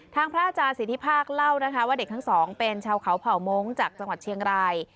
พระอาจารย์สิทธิภาคเล่านะคะว่าเด็กทั้งสองเป็นชาวเขาเผ่ามงค์จากจังหวัดเชียงราย